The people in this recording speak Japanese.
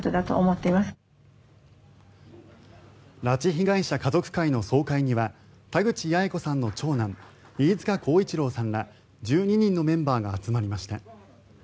拉致被害者家族会の総会には田口八重子さんの長男飯塚耕一郎さんら１２人のメンバーが集まりました。